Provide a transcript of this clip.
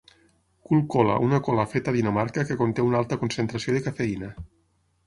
Cult Cola una cola feta a Dinamarca que conté una alta concentració de cafeïna.